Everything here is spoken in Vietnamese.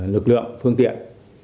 lực lượng phương tiện